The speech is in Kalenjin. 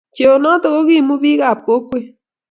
Cheonoto ko kiimu bikap kokwet